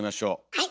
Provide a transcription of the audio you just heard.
はい！